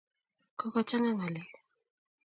kokochanga ngalek